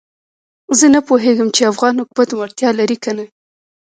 زه نه پوهېږم چې افغان حکومت وړتیا لري کنه.